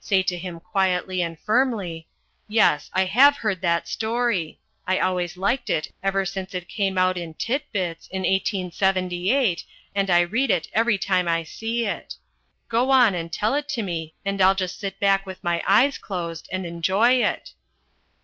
Say to him quietly and firmly, "Yes, I have heard that story. I always liked it ever since it came out in Tit Bits in 1878, and I read it every time I see it. Go on and tell it to me and I'll sit back with my eyes closed and enjoy it."